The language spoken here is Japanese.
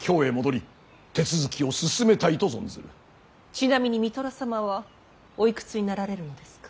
ちなみに三寅様はおいくつになられるのですか。